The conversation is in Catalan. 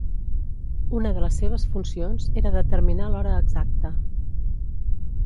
Una de les seves funcions era determinar l'hora exacta.